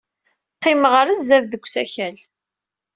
Qqimeɣ ɣer sdat deg usakal.